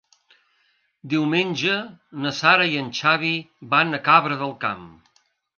Diumenge na Sara i en Xavi van a Cabra del Camp.